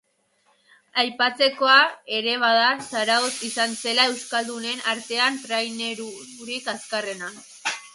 Aipatzekoa ere bada Zarautz izan zela euskaldunen artean trainerurik azkarrena.